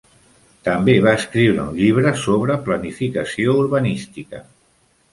També va escriure un llibre sobre planificació urbanística.